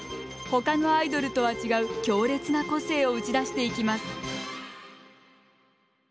他のアイドルとは違う強烈な個性を打ち出していきます。